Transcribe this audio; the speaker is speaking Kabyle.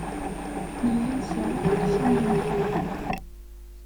Nella nṣerreɛ ixṣimen-nteɣ.